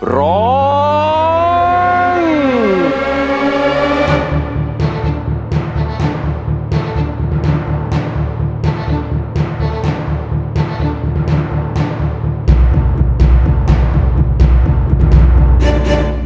ร้อง